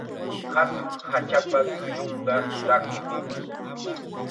Hatun hachapa tullunqa rakum.